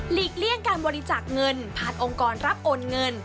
เลี่ยงการบริจาคเงินผ่านองค์กรรับโอนเงิน